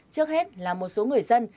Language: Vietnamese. trước hết là một số người dân